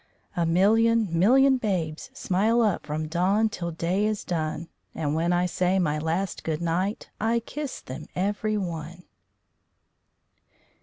_ _"A million million babes smile up From dawn till day is done. And when I say my last good night I kiss them every one."